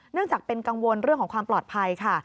จากเป็นกังวลเรื่องของความปลอดภัยค่ะ